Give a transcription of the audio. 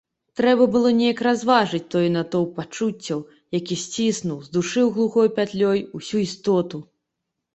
Трэба было неяк разважыць той натоўп пачуццяў, які сціснуў, здушыў глухой пятлёй усю істоту.